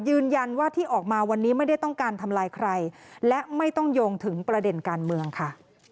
ยืนยันว่าที่ออกมาวันนี้ไม่ได้ต้องการทำลายใครและไม่ต้องโยงถึงประเด็นการเมืองค่ะ